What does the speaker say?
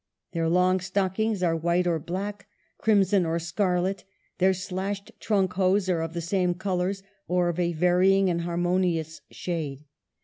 Their long stockings are white or black, crimson or scarlet ; their slashed trunk hose are of the same colors or of a vary ing and harmonious shade.